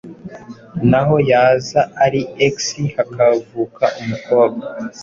naho yaza ari X hakavuka umukobwa